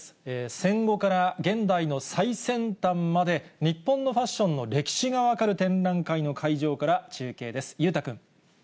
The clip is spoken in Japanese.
戦後から現代の最先端まで、日本のファッションの歴史が分かる展覧会の会場から中継です。